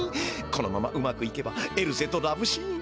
このままうまくいけばエルゼとラブシーン。